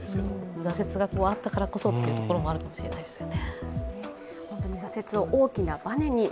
挫折があったからこそというところもあるかもしれないですね。